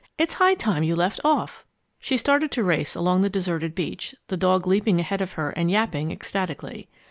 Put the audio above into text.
It's high time you left off!" She started to race along the deserted beach, the dog leaping ahead of her and yapping ecstatically.